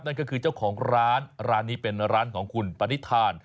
นั่นก็คือเจ้าของร้านร้านนี้เป็นร้านของคุณปณิธาน